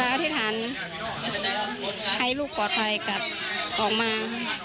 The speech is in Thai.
อธิษฐานให้ลูกปลอดภัยกลับออกมา